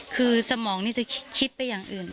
คือสมองนี่จะคิดไปอย่างอื่น